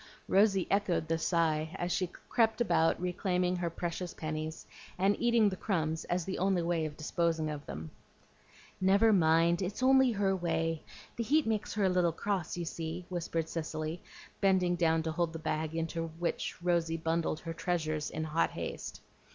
Rosy echoed the sigh as she crept about reclaiming her precious pennies, and eating the crumbs as the only way of disposing of them. "Never mind, it's only her way; the heat makes her a little cross, you see," whispered Cicely, bending down to hold the bag, into which Rosy bundled her treasures in hot haste.